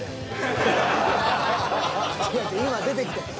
今出てきてん。